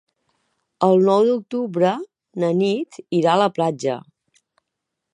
El nou d'octubre na Nit irà a la platja.